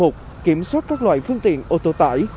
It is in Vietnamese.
c năm một kiểm soát các loại phương tiện ô tô tải